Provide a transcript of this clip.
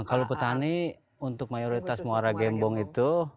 kalau petani untuk mayoritas muara gembong itu